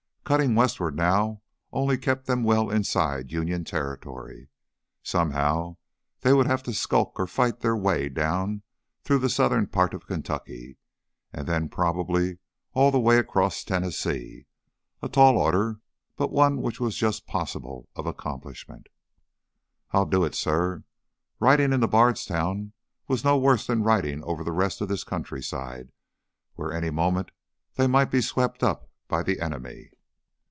Cutting westward now only kept them well inside Union territory. Somehow they would have to skulk or fight their way down through the southern part of Kentucky and then probably all the way across Tennessee a tall order, but one which was just possible of accomplishment. "I'll do it, suh." Riding into Bardstown was no worse than riding over the rest of this countryside where any moment they might be swept up by the enemy.